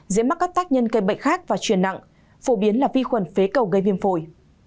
dễ mắc các tác nhân gây bệnh khác và truyền nặng phổ biến là vi khuẩn phế cầu gây viêm phổi